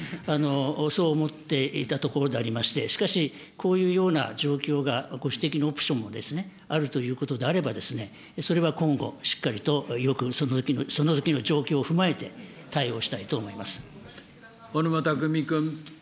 そう思っていたところでありまして、しかし、こういうような状況が、ご指摘のオプションもあるということであればですね、それは今後、しっかりとよくそのときの状況を踏まえて対応したいと思い小沼巧君。